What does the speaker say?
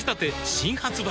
新発売